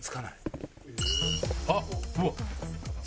あっうわっ。